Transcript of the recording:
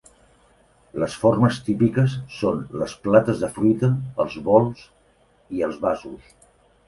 Les formes típiques són les plates de fruita, els bols i el vasos.